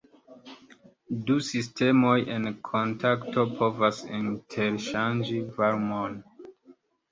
Du sistemoj en kontakto povas interŝanĝi varmon.